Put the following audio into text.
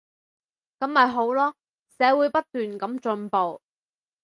噉咪好囉，社會不斷噉進步